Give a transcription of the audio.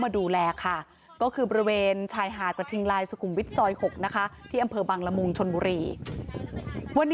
เดี๋ยวจัดให้รีติว่า